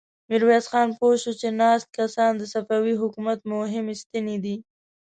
ميرويس خان پوه شو چې ناست کسان د صفوي حکومت مهمې ستنې دي.